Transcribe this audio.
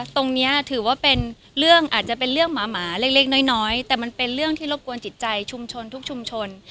ตรงนี้ถือว่าเป็นเรื่องอาจจะเป็นเรื่องหมาเล็กน้อยแต่มันเป็นเรื่องที่รบกวนจิตใจชุมชนทุกชุมชน